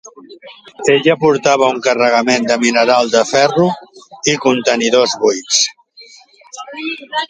Ella portava un carregament de mineral de ferro i contenidors buits.